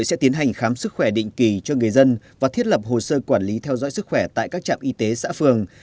sẽ tiến hành khám sức khỏe định kỳ cho người dân và thiết lập hồ sơ quản lý theo dõi sức khỏe tại các trạm y tế xã phường